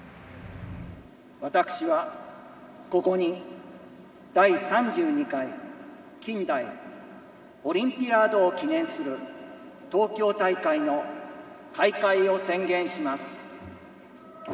私はここに第３２回近代オリンピアードを記念する東京大会の開会を宣言します。